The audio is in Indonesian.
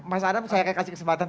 mas adam saya akan kasih kesempatan